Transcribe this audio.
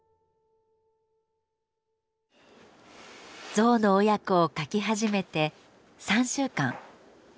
ゾウの親子を描き始めて３週間。